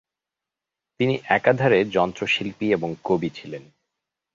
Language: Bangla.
তিনি একাধারে যন্ত্রশিল্পী এবং কবি ছিলেন।